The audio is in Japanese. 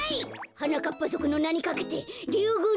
はなかっぱぞくのなにかけてリュウグウ